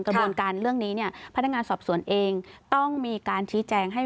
กระบวนการเรื่องนี้เนี่ยพนักงานสอบสวนเองต้องมีการชี้แจงให้